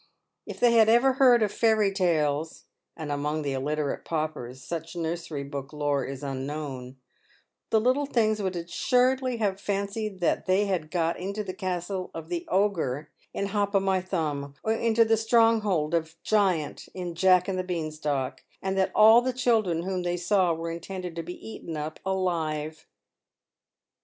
If they had ever heard of fairy tales — and among the illiterate paupers such nursery book lore is un known — the little things would assuredly have fancied they had got into the castle of the Ogre in Hop o' my Thumb, or into the strong hold of the Giant in Jack and the Bean stalk, and that all the chil dren w r hom they saw were intended to be eaten up alive.